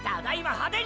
派手に！！